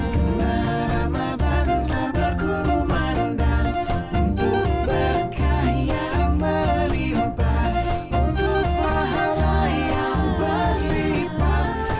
kena ramadhan tak berkumandang untuk berkah yang melimpa untuk pahala yang berlipat